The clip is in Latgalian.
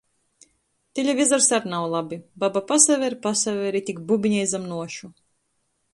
Teļvīzers ar nav labi — baba pasaver, pasaver i tik bubinej zam nuošu.